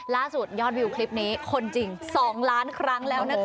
ยอดวิวคลิปนี้คนจริง๒ล้านครั้งแล้วนะคะ